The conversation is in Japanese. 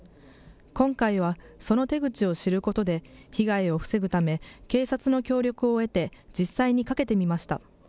今回は、その手口を知ることで被害を防ぐため警察の協力を得て実際にかけてみました。